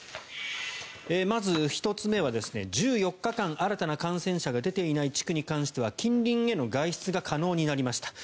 まず、１つ目は１４日間、新たな感染者が出ていない地区に関しては近隣への外出が可能になりました。